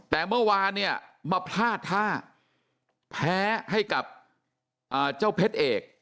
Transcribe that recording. แต่เมื่อวานเนี่ยมาพลาดท่าแพ้ให้กับเจ้าเพชรเอก